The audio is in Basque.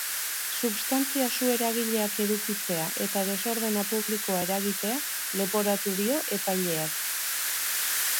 Substantzia su-eragileak edukitzea eta desordena publikoa eragitea leporatu dio epaileak.